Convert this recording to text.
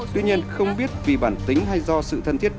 tuy nhiên không biết vì bản tính hay do sự thân thiết